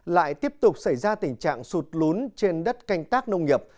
lại tiếp tục xảy ra tình trạng sụt lún trên đất canh tác nông nghiệp